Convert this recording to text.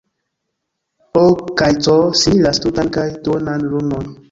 O. kaj C. similas tutan kaj duonan lunon.